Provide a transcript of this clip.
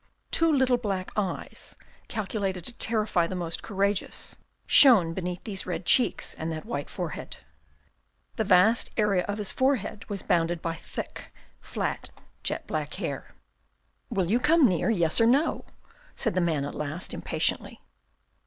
Two little black eyes, calculated to terrify the most courageous, shone between these red cheeks and that white forehead. The vast area of his forehead was bounded by thick, fiat, jet black hair. THE SEMINARY 177 " Will you come near, yes or no ?" said the man at last, impatiently.